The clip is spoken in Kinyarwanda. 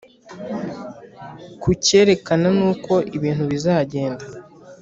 kukerekana nuko ibintu bizagenda